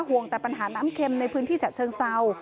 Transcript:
ห่วงแต่ปัญหาน้ำเข็มในพื้นที่ฉะเชิงเศร้า